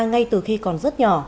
ngay từ khi còn rất nhỏ